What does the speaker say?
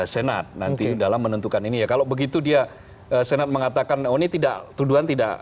senat nanti dalam menentukan ini ya kalau begitu dia senat mengatakan oh ini tidak tuduhan tidak